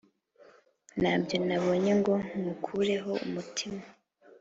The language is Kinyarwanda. ntabyo nabonye ngo nkukureho umutima